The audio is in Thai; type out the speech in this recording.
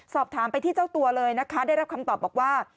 สอบถามไปที่เจ้าตัวเลยนะคะได้รับคำตอบบอกว่า